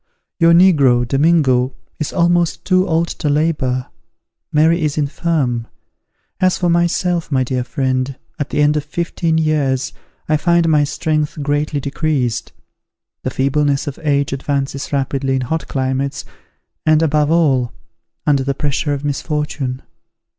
Your negro, Domingo, is almost too old to labor; Mary is infirm. As for myself, my dear friend, at the end of fifteen years, I find my strength greatly decreased; the feebleness of age advances rapidly in hot climates, and, above all, under the pressure of misfortune.